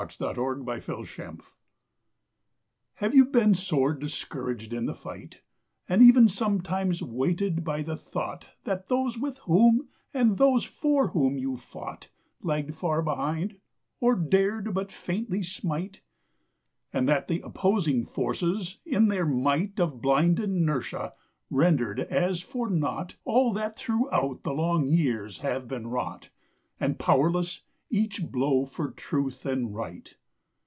To HORACE BUMSTEAD Have you been sore discouraged in the fight, And even sometimes weighted by the thought That those with whom and those for whom you fought Lagged far behind, or dared but faintly smite? And that the opposing forces in their might Of blind inertia rendered as for naught All that throughout the long years had been wrought, And powerless each blow for Truth and Right?